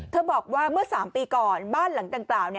บอกว่าเมื่อ๓ปีก่อนบ้านหลังดังกล่าว